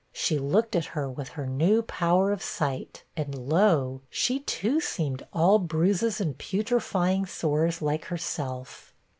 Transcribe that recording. She looked at her, with her new power of sight and, lo! she, too, seemed all 'bruises and putrifying sores,' like herself.